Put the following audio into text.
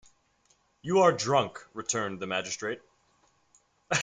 ‘You are drunk,’ returned the magistrate.